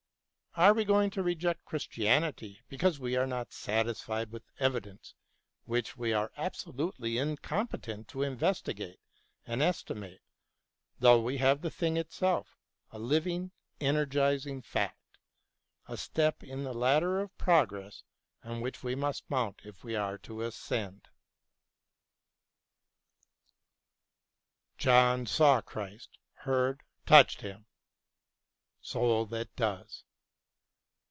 Are we going to reject Christianity because we are not satisfied with evidence which 236 BROWNING AND LESSING we are absolutely incompetent to investigate and estimate, though we have the thing itself, a living, energising fact — a step in the ladder of progress on which we must mount if we are to ascend ? John saw Christ, heard, touched Him. Soul that does.